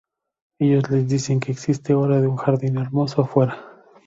Ellos les dicen que existe ahora un jardín hermoso afuera.